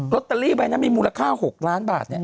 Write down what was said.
รอเตอรี่ไปมีมูลค่า๖ล้านบาท